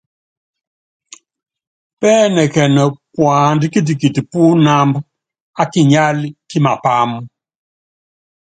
Pɛ́ɛnɛkɛn puand kitikit pú inámb á kinyál kí mapáam.